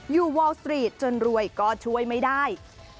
วอลสตรีทจนรวยก็ช่วยไม่ได้